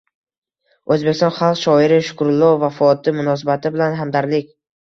Oʻzbekiston xalq shoiri Shukrullo vafoti munosabati bilan hamdardlik